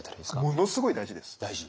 ものすごい大事です。